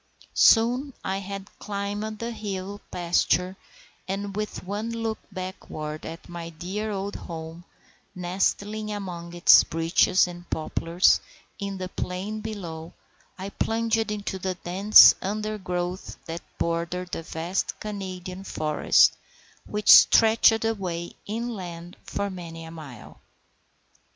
Soon I had climbed the hill pasture, and with one look backward at my dear old home, nestling among its beeches and poplars in the plain below, I plunged into the dense undergrowth that bordered the vast Canadian forest, which stretched away inland for many a mile.